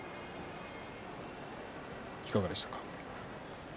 いかがでしたか？